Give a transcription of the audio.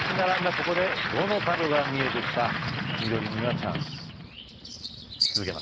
ここで５の角が見えてきた緑にはチャンス続けます